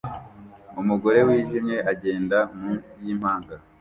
Umugore wijimye agenda munsi yimpanga